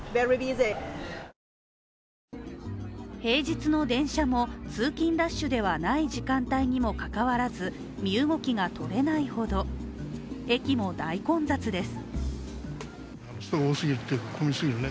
平日の電車も通勤ラッシュではない時間帯にもかかわらず身動きがとれないほど、駅も大混雑です。